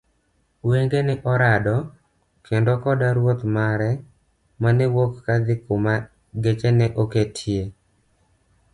wange' ne orado kendo koda Ruoth mare mane wuok kadhi kuma geche ne oketie.